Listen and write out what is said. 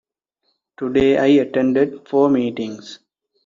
Today I attended four meetings.